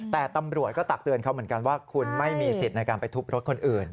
แต่ตำรวจก็ตักเตือนเขาเหมือนกันว่าคุณไม่มีสิทธิ์ในการไปทุบรถคนอื่น